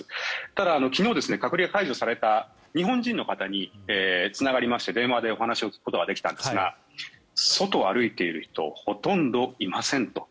ただ、昨日隔離が解除された日本人の方につながりまして、電話でお話を聞くことができたんですが外を歩いている人はほとんどいませんと。